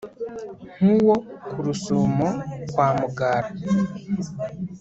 nk'uwo ku rusumo kwa mugara